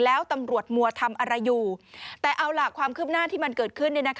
แล้วตำรวจมัวทำอะไรอยู่แต่เอาล่ะความคืบหน้าที่มันเกิดขึ้น